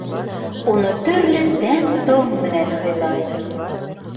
Уны төрлө тәм-том менән һыйлай.